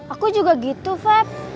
aku juga gitu feb